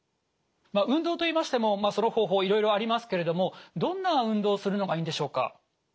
運動といいましてもその方法いろいろありますけれどもどんな運動をするのがいいんでしょうか？